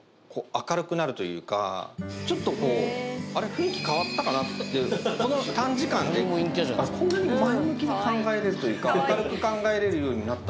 雰囲気変わったかなってこの短時間であっこんなに前向きに考えれるというか明るく考えれるようになったんだ